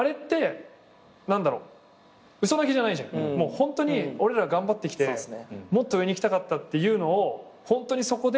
ホントに俺ら頑張ってきてもっと上にいきたかったっていうのをホントにそこで。